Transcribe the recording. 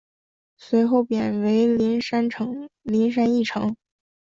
随后贬为麟山驿丞。